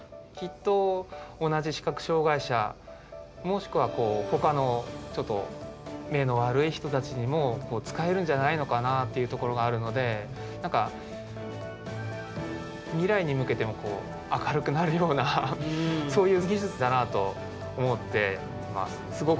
きっと同じ視覚障害者もしくはこうほかのちょっと目の悪い人たちにも使えるんじゃないのかなっていうところがあるので何か未来に向けてもこう明るくなるようなそういう技術だなと思ってます。